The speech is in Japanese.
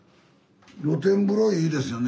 露天風呂いいですよね。